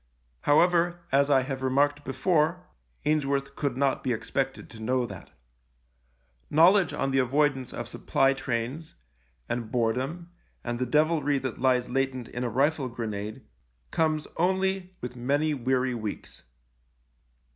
How ever, as I have remarked before, Ainsworth could not be expected to know that. Know ledge on the avoidance of supply trains, and boredom, and the devilry that lies latent in a rifle grenade comes only with many weary weeks.